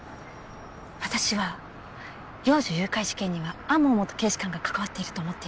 私は幼女誘拐事件には天羽元警視監が関わっていると思っています。